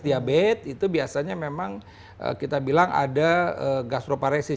diabetes itu biasanya memang kita bilang ada gastroparesis